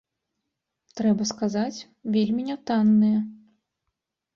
Трэба сказаць, вельмі нятанныя.